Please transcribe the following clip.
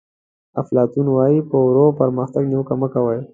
افلاطون وایي په ورو پرمختګ نیوکه مه کوئ.